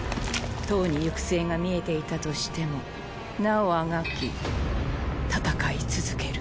とうに行く末が見えていたとしてもなおあがき戦い続ける。